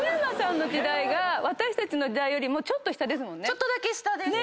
ちょっとだけ下です。